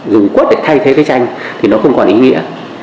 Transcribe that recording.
dùng quất để thay thế cái tranh thì nó không còn ý nghĩa